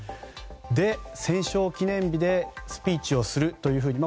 で、戦勝記念日でスピーチをするというふうに。